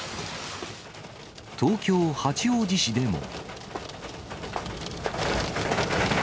東京・八王子市でも。